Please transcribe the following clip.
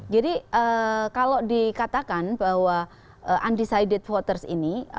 jadi kalau dikatakan bahwa undisidit voters ini